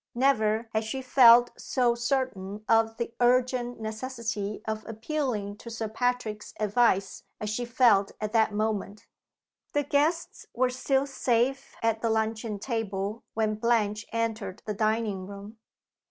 Never had she felt so certain of the urgent necessity of appealing to Sir Patrick's advice as she felt at that moment. The guests were still safe at the luncheon table when Blanche entered the dining room.